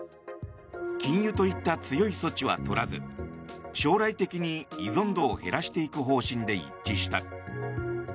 禁輸といった強い措置はとらず将来的に依存度を減らしていく方針で一致した。